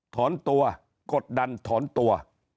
ถอนตัวกดดันถอนตัว